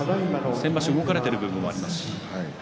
先場所動かれている分もありますし。